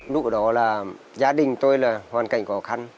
lúc đó là gia đình tôi là hoàn cảnh khó khăn